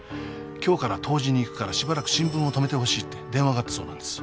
今日から湯治に行くからしばらく新聞を止めてほしいって電話があったそうなんですよ。